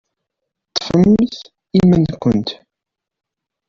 Ṭṭfemt iman-nkent.